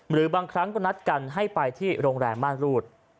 หรือบางครั้งก็นัดกันให้ไปที่โรงแรมม่านรูด